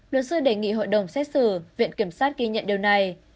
luật sư đề nghị hội đồng xét xử viện kiểm sát ghi nhận điều này